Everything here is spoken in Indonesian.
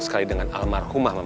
sekali dengan almarhumah mama kamu